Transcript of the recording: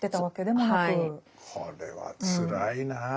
これはつらいなぁ。